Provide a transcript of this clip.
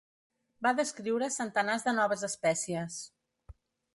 Va descriure centenars de noves espècies.